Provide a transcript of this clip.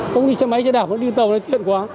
không đi xe máy xe đạp đi tàu thì tiện quá